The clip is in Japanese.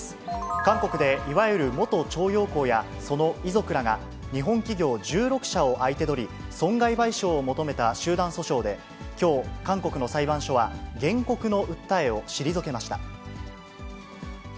韓国でいわゆる元徴用工やその遺族らが、日本企業１６社を相手取り、損害賠償を求めた集団訴訟で、きょう、韓国の裁判所は、原告の訴えを退けました。